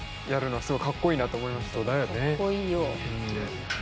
はい。